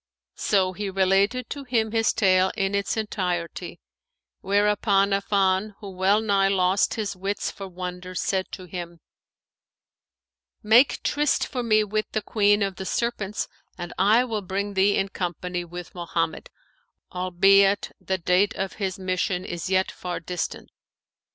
So he related to him his tale in its entirety; whereupon Affan, who well nigh lost his wits for wonder, said to him, 'Make tryst for me with the Queen of the Serpents and I will bring thee in company with Mohammed, albeit the date of his mission is yet far distant.